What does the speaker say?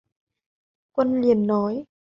Quân liền nói